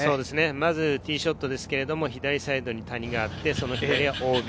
まずティーショットですが、左サイドに谷があって、それでＯＢ。